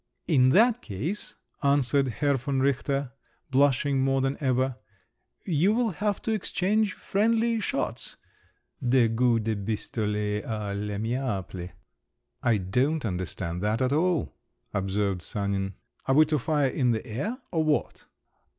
"In that case," answered Herr von Richter, blushing more than ever, "you will have to exchange friendly shots—des goups de bisdolet à l'amiaple!" "I don't understand that at all," observed Sanin; "are we to fire in the air or what?"